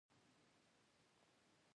دولتونه عموماً له درې قواوو جوړیږي.